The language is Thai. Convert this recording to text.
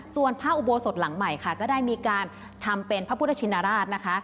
ส่วนพระอุโบสถหลังใหม่ค่ะก็ได้มีการทำเป็นพระพุทธชินราชนะคะ